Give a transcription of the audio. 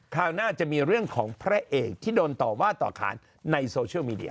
ราวหน้าจะมีเรื่องของพระเอกที่โดนต่อว่าต่อขานในโซเชียลมีเดีย